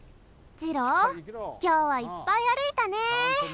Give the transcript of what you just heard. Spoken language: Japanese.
じろうきょうはいっぱいあるいたね。